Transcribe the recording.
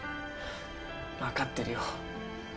わかってるよ。